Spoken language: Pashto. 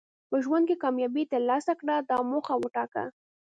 په ژوند کې کامیابي ترلاسه کړه دا موخه وټاکه.